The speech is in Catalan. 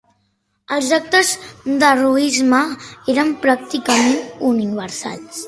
Els actes d'heroisme eren pràcticament universals.